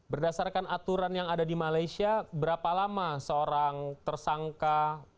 berdasarkan aturan yang ada di malaysia berapa lama seorang tersangka